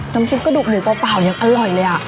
ซุปกระดูกหมูเปล่ายังอร่อยเลย